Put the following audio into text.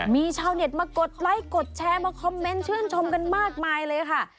มีชาวเน็ตมากดไลค์กดแชร์มาคอมเมนต์ชื่นชมกันมากมายเลยค่ะ